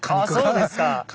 そうですか。